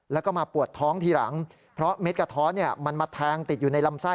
แล้วก็มาปวดท้องทีหลังเพราะเม็ดกระท้อนมันมาแทงติดอยู่ในลำไส้